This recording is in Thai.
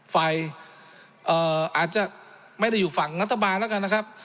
ฝ่ายอาจจะไม่ได้อยู่ฝั่งรัฐบาลแล้วกันนะครับ